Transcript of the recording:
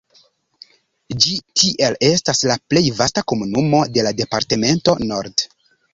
Ĝi tiel estas la plej vasta komunumo de la departemento Nord.